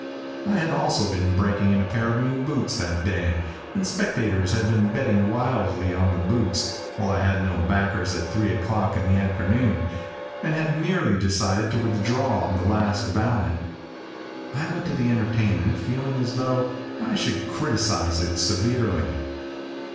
I had also been breaking in a pair of new boots that day, and spectators had been betting wildly on the boots, while I had no backers at three o'clock in the afternoon, and had nearly decided to withdraw on the last ballot. I went to the entertainment feeling as though I should criticise it severely.